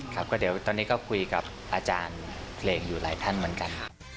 ครับก็เดี๋ยวตอนนี้ก็คุยกับอาจารย์เพลงอยู่หลายท่านเหมือนกัน